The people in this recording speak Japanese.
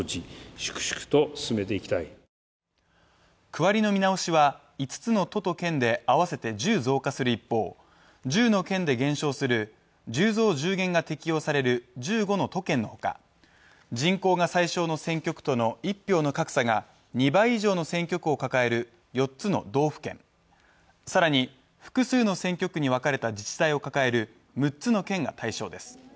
区割りの見直しは、５つの都と県で合わせて１０増加する一方、１０の県で減少する１０増１０減が適用される１５の都県のほか、人口が最小の選挙区との一票の格差が２倍以上の選挙区を抱える４つの道府県、更に、複数の選挙区に分かれた自治体を抱える６つの県が対象です。